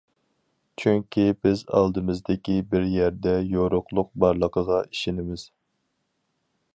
چۈنكى بىز ئالدىمىزدىكى بىر يەردە يورۇقلۇق بارلىقىغا ئىشىنىمىز.